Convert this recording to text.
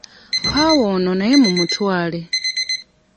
Kaawa ono naye mumutwale.